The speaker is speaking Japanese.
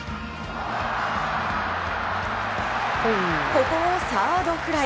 ここをサードフライ。